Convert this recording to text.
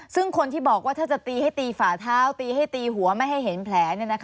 ซึ่งคนที่บอกว่าถ้าจะตีให้ตีฝาเท้าตีให้ตีหัวไม่ให้เห็นแผล